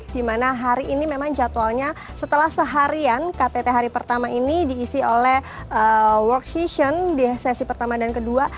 dimana hari ini memang jadwalnya setelah seharian ktt hari pertama ini diisi oleh work session di sesi pertama dan kedua